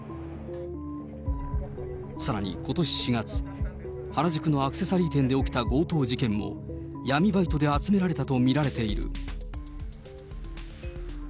さらにことし４月、原宿のアクセサリー店で起きた強盗事件も、闇バイトで集められたと見られている。